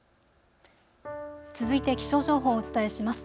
続いて気象情報をお伝えします。